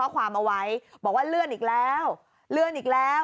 ความเอาไว้บอกว่าเลื่อนอีกแล้วเลื่อนอีกแล้ว